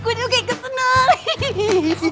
gue juga ngeseneng